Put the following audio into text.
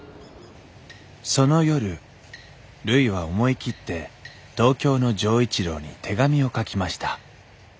その夜るいは思い切って東京の錠一郎に手紙を書きました